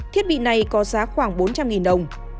thiết bị này có giá khoảng bốn trăm linh đồng